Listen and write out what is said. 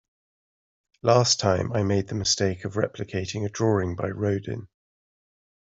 Last time, I made the mistake of replicating a drawing by Rodin.